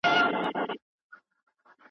فزیک یو له لومړنیو خپلواکو علومو څخه و.